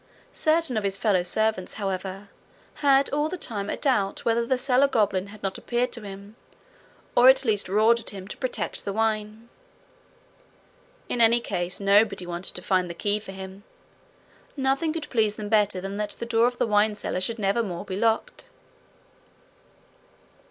Certain of his fellow servants, however, had all the time a doubt whether the cellar goblin had not appeared to him, or at least roared at him, to protect the wine. In any case nobody wanted to find the key for him; nothing could please them better than that the door of the wine cellar should never more be locked.